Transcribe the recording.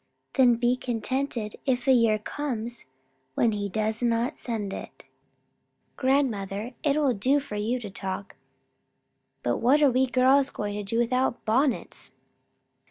"Then be contented if a year comes when he does not send it." "Grandmother, it'll do for you to talk; but what are we girls going to do without bonnets?"